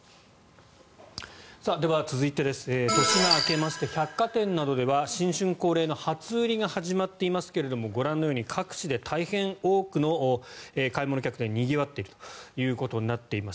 では、続いて年が明けまして百貨店などでは新春恒例の初売りが始まっていますがご覧のように各地で大変多くの買い物客でにぎわっているということになっています。